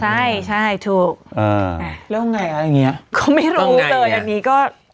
ใช่ใช่ถูกอ่าแล้วไงอะไรอย่างเงี้ยก็ไม่รู้เลยอันนี้ก็